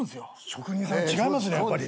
職人さんは違いますねやっぱり。